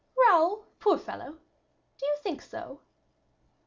"Raoul, poor fellow! do you think so?"